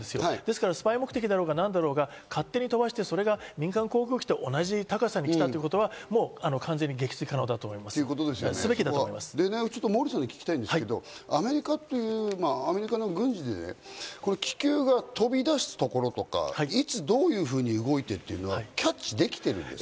スパイ目的だろうがなんだろうが、勝手に飛ばして、それが民間航空機と同じ高さに来たということは完全に撃墜可能だと思います、モーリーさん、アメリカの軍事で気球が飛び出すところとか、いつどういうふうに動いてというのはキャッチ出来てるんですか？